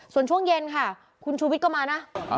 ส่วนช่วงเย็นค่ะคุณชูวิทย์ก็มานะ